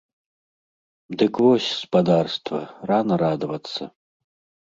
Дык вось, спадарства, рана радавацца!